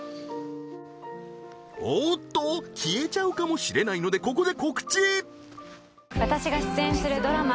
おっと消えちゃうかもしれないのでここで告知私が出演するドラマ